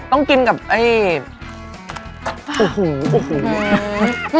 ต้องกินกับเอ่ยอูหูอูหู